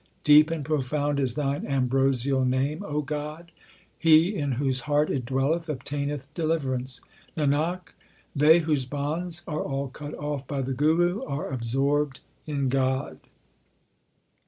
Deep and profound is Thine ambrosial name, O God ; He in whose heart it dwelleth obtaineth deliverance. Nanak, they whose bonds are all cut off by the Guru are absorbed in God.